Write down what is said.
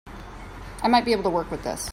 I might be able to work with this.